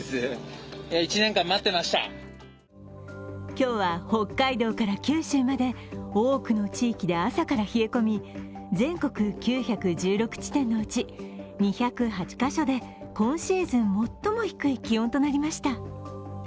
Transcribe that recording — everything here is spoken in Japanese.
今日は北海道から九州まで多くの地域で朝から冷え込み、全国９１６地点のうち２０８カ所で今シーズン最も低い気温となりました。